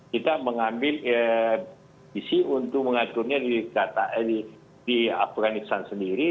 kita mengambil visi untuk mengaturnya di afganiktan sendiri